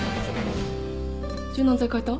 柔軟剤変えた？